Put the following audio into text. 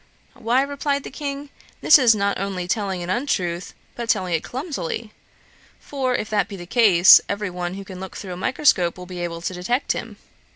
'Why, (replied the King,) this is not only telling an untruth, but telling it clumsily; for, if that be the case, every one who can look through a microscope will be able to detect him.'